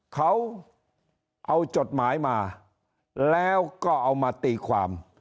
เขาเอาจดหมายมาแล้วก็เอามาตีความ